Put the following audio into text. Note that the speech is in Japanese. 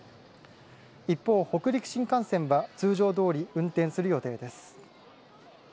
一方、北陸新幹線は通常どおり運転する予定です。